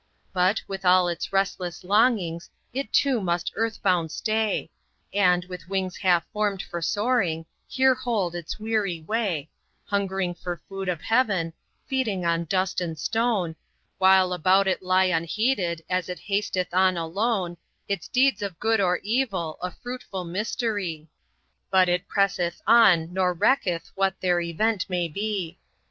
But, with all its restless longings, it too must earth bound stay, And, with wings half formed for soaring, here hold its weary way, Hungering for food of heaven, feeding on dust and stone, While about it lie unheeded, as it hasteth on alone, Its deeds of good or evil, a fruitful mystery; But it presseth on, nor recketh what their event may be.